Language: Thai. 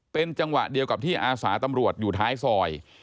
เป็นจังหวะเดียวกับที่อาสาตำรวจอยู่ท้ายซอย